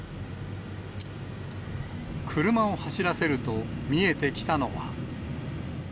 車を走らせると見えてきたのは。